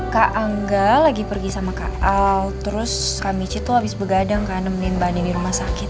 kak angga lagi pergi sama kak al terus kak michi tuh abis begadang kak anem meninbani di rumah sakit